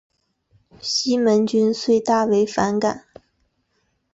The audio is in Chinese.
西门君遂大为反感。